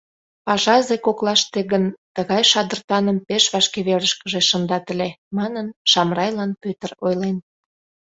— Пашазе коклаште гын тыгай шадыртаным пеш вашке верышкыже шындат ыле, — манын, Шамрайлан Пӧтыр ойлен.